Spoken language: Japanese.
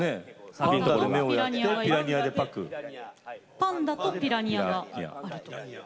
パンダとピラニアがあるという。